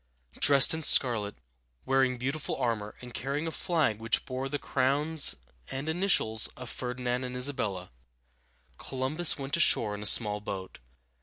Dressed in scarlet, wearing beautiful armor, and carrying a flag which bore the crowns and initials of Ferdinand and Isabella, Columbus went ashore in a small boat.